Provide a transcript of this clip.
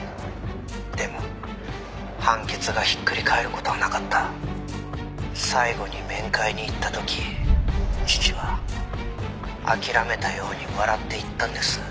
「でも判決がひっくり返る事はなかった」「最後に面会に行った時父は諦めたように笑って言ったんです」